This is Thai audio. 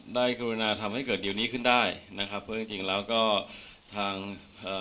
กรุณาทำให้เกิดดิวนี้ขึ้นได้นะครับเพราะจริงจริงแล้วก็ทางเอ่อ